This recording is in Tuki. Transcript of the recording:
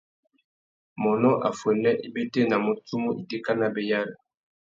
Mônô affuênê i bétēnamú tsumu itéka nabéyari.